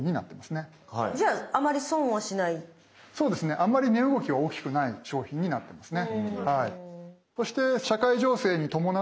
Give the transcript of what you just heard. あまり値動きが大きくない商品になってますね。